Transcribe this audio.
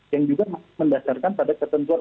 yang juga mendasarkan pada ketentuan